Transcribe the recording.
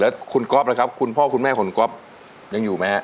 แล้วคุณก๊อปอะไรครับคุณพ่อคุณแม่คุณก๊อปยังอยู่ไหม